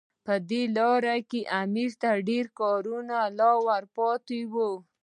په دې لاره کې امیر ته ډېر کارونه لا پاتې وو.